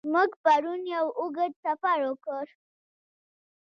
موږ پرون یو اوږد سفر وکړ.